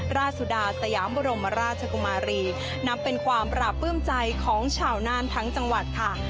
ราชสุดาสยามบรมราชกุมารีนับเป็นความปราบปลื้มใจของชาวนานทั้งจังหวัดค่ะ